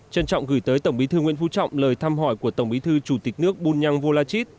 trân trọng gửi tới tổng bí thư nguyễn phú trọng lời thăm hỏi của tổng bí thư chủ tịch nước bun nhang vô la chít